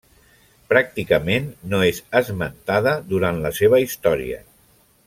Pràcticament no és esmentada durant la seva història.